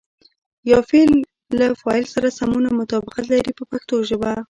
یا فعل له فاعل سره سمون او مطابقت لري په پښتو ژبه.